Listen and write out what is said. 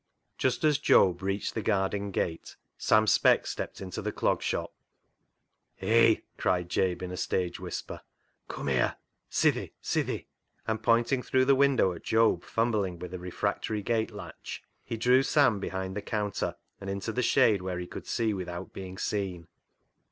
Just as Job reached the garden gate Sam Speck stepped into the Clog Shop. " Hay !" cried Jabe in a stage whisper, " cum here ; sithee ! sithee !" and pointing " HANGING HIS HAT UP" 71 through the window at Job fumbling with a refractory gate latch, he drew Sam behind the counter and into the shade where he could see without being seen.